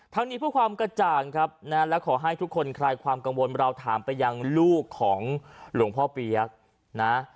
นี้เพื่อความกระจ่างครับนะและขอให้ทุกคนคลายความกังวลเราถามไปยังลูกของหลวงพ่อเปี๊ยกนะ